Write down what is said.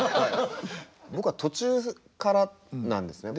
僕は途中からなんですね。